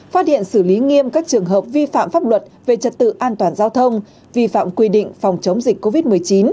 phát hiện xử lý nghiêm các trường hợp vi phạm pháp luật về trật tự an toàn giao thông vi phạm quy định phòng chống dịch covid một mươi chín